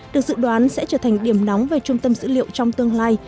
được dự đoán sẽ trở thành điểm nóng về trung tâm dữ liệu trong tương lai